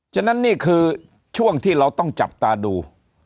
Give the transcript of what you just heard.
ฉะนั้นนี่คือช่วงที่เราต้องจับตาดู